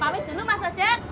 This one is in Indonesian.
pamit dulu mas ocak